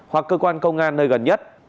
hoặc cơ quan công an nơi gần nhất